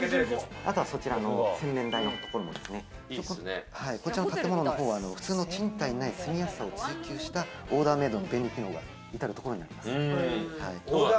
あとは、そちらの洗面台のところ、建物の方は、普通の賃貸にはない住みやすさを追求したオーダーメードの便利機能がいたるところにあります。